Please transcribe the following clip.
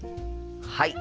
はい。